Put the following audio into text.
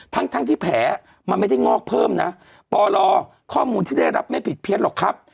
ทั้งทั้งที่แผลมันไม่ได้งอกเพิ่มนะปลข้อมูลที่ได้รับไม่ผิดเพี้ยนหรอกครับ